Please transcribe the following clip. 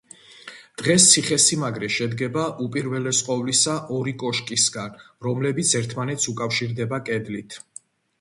დღეს ციხესიმაგრე შედგება უპირველეს ყოვლისა ორი კოშკისგან, რომლებიც ერთმანეთს უკავშირდება კედლით.